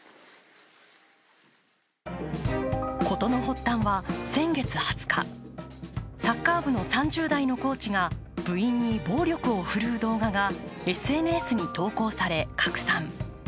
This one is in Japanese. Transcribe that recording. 事の発端は先月２０日、サッカー部の３０代のコーチが部員に暴力を振るう動画がＳＮＳに投稿され、拡散。